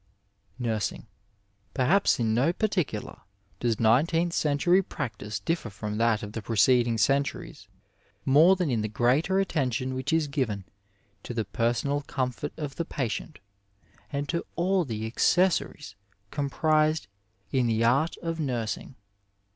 Nursing. — ^Perhaps in no particular does nineteenth century practice differ from that of the preceding centuries more than in the greater attention which is given to the personal comfort of the patient and to all the accessories comprised in the art of nursing.